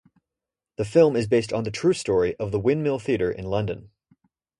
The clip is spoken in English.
The film is based on the true story of the Windmill Theatre in London.